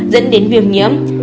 dẫn đến việc nhiễm